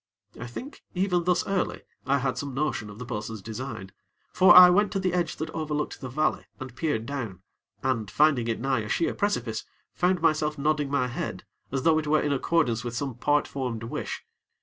I think, even thus early, I had some notion of the bo'sun's design; for I went to the edge that overlooked the valley, and peered down, and, finding it nigh a sheer precipice, found myself nodding my head, as though it were in accordance with some part formed wish.